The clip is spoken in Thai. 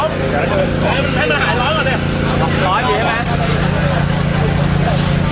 กินกว่าอีกแล้วนะครับ